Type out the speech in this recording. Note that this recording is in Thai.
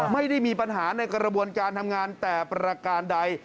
ไม่ได้มีปัญหาในกระบวนการทำงานแต่ประการใด